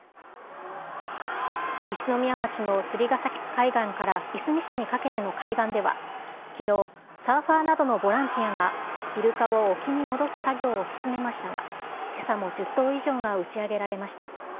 一宮町の釣ヶ崎海岸からいすみ市にかけての海岸ではきのう、サーファーなどのボランティアがイルカを沖に戻す作業を進めましたが、けさも１０頭以上が打ち上げられました。